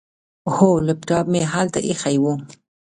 هو، لیپټاپ مې هلته ایښی و.